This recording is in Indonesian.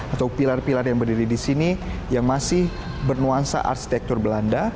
atau pilar pilar yang berdiri di sini yang masih bernuansa arsitektur belanda